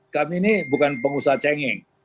kami ini bukan pengusaha cengeng